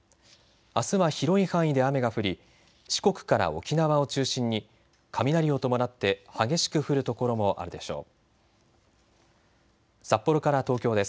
あすは広い範囲で雨が降り四国から沖縄を中心に雷を伴って激しく降る所もあるでしょう。